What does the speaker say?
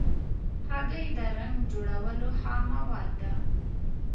هګۍ د رنګ جوړولو خام مواد ده.